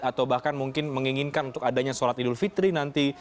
atau bahkan mungkin menginginkan untuk adanya sholat idul fitri nanti